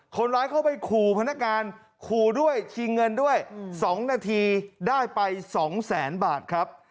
คนร้ายเข้าไปขู่พนักงานขู่ด้วยชิงเงินด้วย๒นาทีได้ไป๒แสนบาทครับ